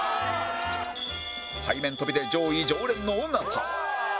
背面跳びで上位常連の尾形